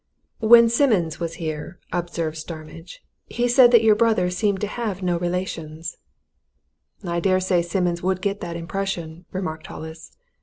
"When Simmons was here," observed Starmidge, "he said that your brother seemed to have no relations." "I daresay Simmons would get that impression," remarked Hollis.